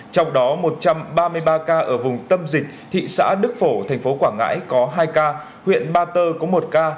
trong đó một trăm ba mươi ba ca ở vùng tâm dịch thị xã đức phổ thành phố quảng ngãi có hai ca huyện ba tơ có một ca